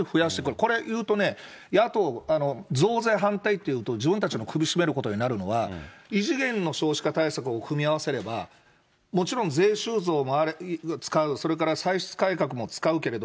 これ言うとね、野党、増税反対っていうと、自分たちの首絞めることになるのは、異次元の少子化対策を組み合わせれば、もちろん税収増も使う、それから歳出改革も使うけれど、